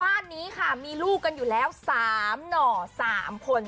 บ้านนี้ค่ะมีลูกกันอยู่แล้ว๓หน่อ๓คน